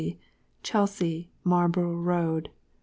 Chelsea, Marlborough road.